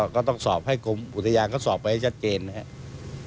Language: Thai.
ก็ต้องสอบให้กรมอุทยานเขาสอบไปให้ชัดเจนนะครับ